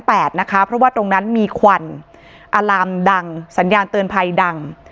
เพราะว่าตรงนั้นมีควันอาลามดังสัญญาณเตือนภัยดัง